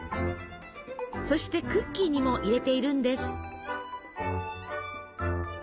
そしてクッキーにも入れているんです。